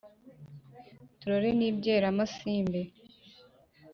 turore n’ibyeramasimbi ...